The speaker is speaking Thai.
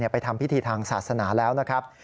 ไปทำพิธีทางศาสนาแล้วนะครับ